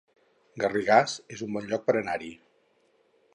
Garrigàs es un bon lloc per anar-hi